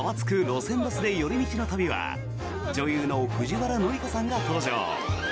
路線バスで寄り道の旅」は女優の藤原紀香さんが登場。